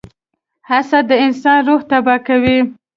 • حسد د انسان روح تباه کوي.